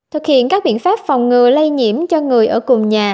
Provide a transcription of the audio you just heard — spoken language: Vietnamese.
thực hiện các biện pháp phòng ngừa lây nhiễm cho người ở cùng nhà